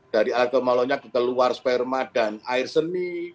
dari alkomalonya keluar sperma dan air seni